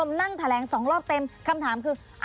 คุณผู้ชมนั่งแถลงสองรอบเต็มคำถามคือ